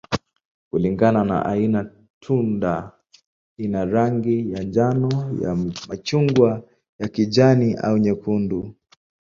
Kulingana na aina, tunda ina rangi ya njano, ya machungwa, ya kijani, au nyekundu.